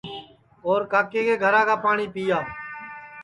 اور کاکے کے گھرا کا پاٹؔی پِیا